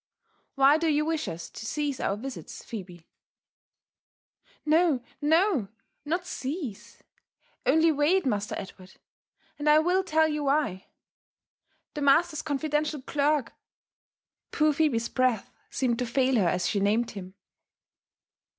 — Why do you wish us to cease our visits, Phebe ?"" No, no! — notecase! Only wait. Master Edward, and Iwill tell you why. The master's confidential clerk " Poor Phebe's breath seemed to fail her as she named him.